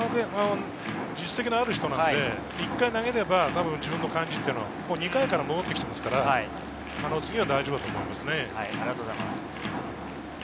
実績のある人なので、１回投げれば自分の感じは２回から戻ってきていますから次は大丈夫だと思いますね。